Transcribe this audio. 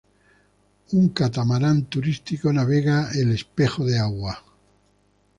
Un catamarán turístico navega el espejo de agua.